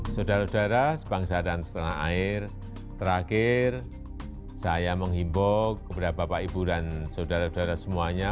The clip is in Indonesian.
saudara saudara sebangsa dan setanah air terakhir saya menghimbau kepada bapak ibu dan saudara saudara semuanya